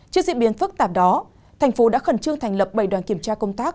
trước diễn biến phức tạp đó thành phố đã khẩn trương thành lập bảy đoàn kiểm tra công tác